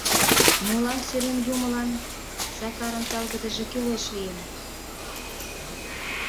Молан сӱрем юмылан Сакарын талгыдыже кӱлеш лийын?